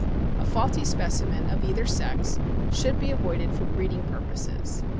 A faulty specimen of either sex should be avoided for breeding purposes.